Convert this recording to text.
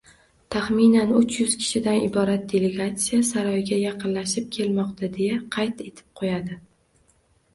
«Taxminan uch yuz kishidan iborat delegatsiya saroyga yaqinlashib kelmoqda», deya qayd etib qo‘yadi.